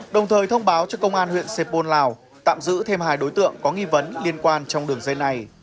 đồng thời thông báo cho công an huyện sê pôn lào tạm giữ thêm hai đối tượng có nghi vấn liên quan trong đường dây này